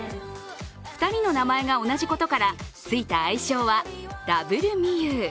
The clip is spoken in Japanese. ２人の名前が同じことからついた愛称はＷみゆう。